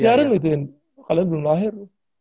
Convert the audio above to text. siarin gitu kalian belum lahir